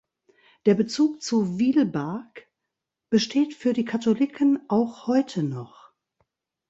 Der Bezug zu Wielbark besteht für die Katholiken auch heute noch.